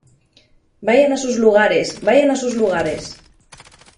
¡ Vayan a sus lugares! ¡ vayan a sus lugares !